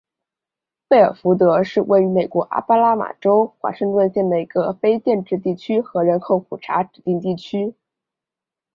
费尔福德是位于美国阿拉巴马州华盛顿县的一个非建制地区和人口普查指定地区。